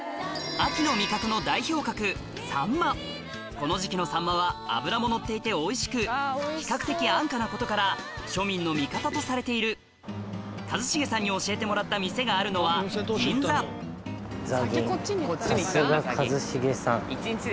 この時期のサンマは脂ものっていておいしく比較的安価なことから庶民の味方とされている一茂さんに教えてもらった店があるのはザギン。